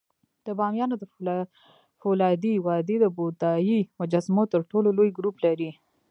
د بامیانو د فولادي وادي د بودایي مجسمو تر ټولو لوی ګروپ لري